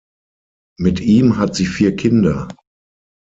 Mit ihm hat sie vier Kinder.